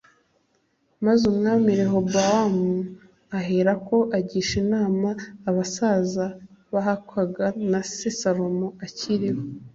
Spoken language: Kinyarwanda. Maze Umwami Rehobowamu aherako agisha inama abasaza bahakwaga na se Salomo akiriho